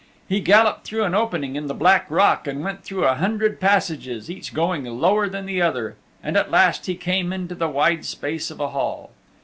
He galloped through an opening in the black rock and went through a hundred passages, each going lower than the other, and at last he came into the wide space of a hall.